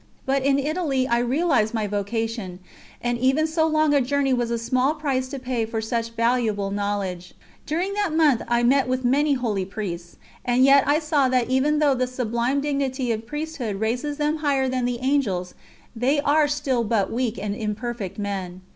But in Italy I realised my vocation, and even so long a journey was a small price to pay for such valuable knowledge. During that month I met with many holy Priests, and yet I saw that even though the sublime dignity of Priesthood raises them higher than the Angels, they are still but weak and imperfect men.